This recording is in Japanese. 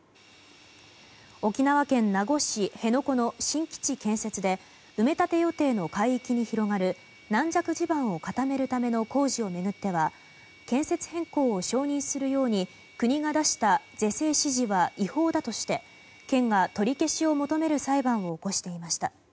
沖縄県名護市辺野古の新基地建設で埋め立て予定の海域に広がる軟弱地盤を固めるための工事を巡っては建設変更を承認するように国が出した是正指示は違法だとして県が取り消しを求める裁判を起こしていました。